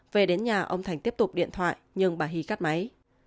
về đến nhà ông thành tiếp tục điện thoại nhưng bà hy cắt máy